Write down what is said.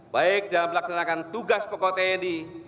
baik dalam melaksanakan tugas pokok tni